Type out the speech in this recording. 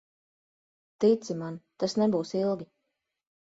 Tici man, tas nebūs ilgi.